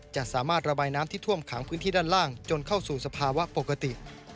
จะสามารถระบายน้ำที่ท่วมขังพื้นที่ด้านล่างจนเข้าสู่สภาวะปกติ